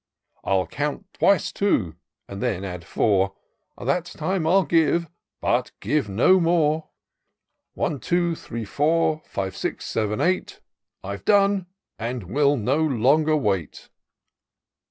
I'll count twice two, and then add four, That time I'll give, but give no more. One, two, three, four, five, six, seven, eight. I've done, and will no longer wait.'